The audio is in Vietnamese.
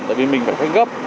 tại vì mình phải khách gấp